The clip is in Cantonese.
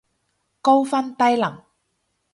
高分低能